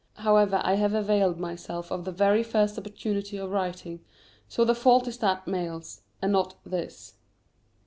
However, I have availed myself of the very first opportunity of writing, so the fault is that mail's, and not this.